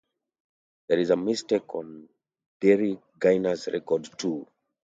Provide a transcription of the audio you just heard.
There's a mistake on Derrick Gainer's record too.